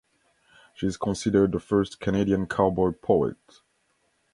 She is considered the first Canadian cowboy poet.